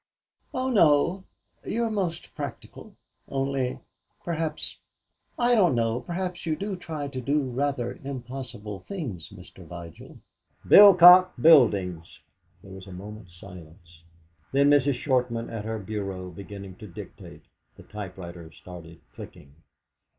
"Oh no. You're most practical, only perhaps I don't know, perhaps you do try to do rather impossible things, Mr. Vigil." "Bilcock Buildings!" There was a minute's silence. Then Mrs. Shortman at her bureau beginning to dictate, the typewriter started clicking.